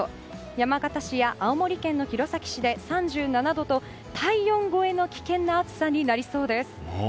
山形市や青森県の弘前市で３７度と体温超えの危険な暑さになりそうです。